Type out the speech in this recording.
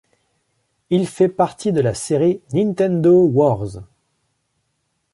Il fait partie de la série Nintendo Wars.